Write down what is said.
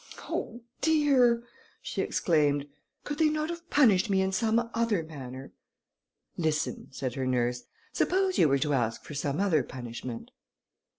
"Oh! dear," she exclaimed, "could they not have punished me in some other manner?" "Listen," said her nurse, "suppose you were to ask for some other punishment?"